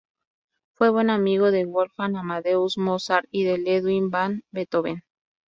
Fue buen amigo de Wolfgang Amadeus Mozart y de Ludwig van Beethoven.